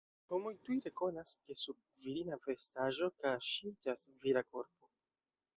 Homoj tuj rekonas, ke sub virina vestaĵo kaŝiĝas vira korpo.